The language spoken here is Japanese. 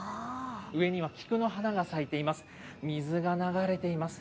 上には菊の花が咲いています。